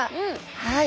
はい。